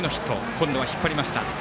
今度は引っ張りました。